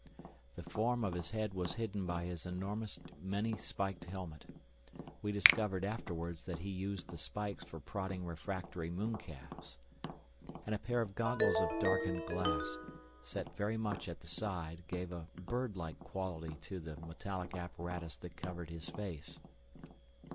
The form of his head was hidden by his enormous many spiked helmet—we discovered afterwards that he used the spikes for prodding refractory mooncalves—and a pair of goggles of darkened glass, set very much at the side, gave a bird like quality to the metallic apparatus that covered his face.